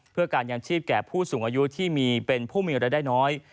เพื่อการยังชีพแก่ผู้สูงอายุที่มีเป็นผู้มีรายได้น้อย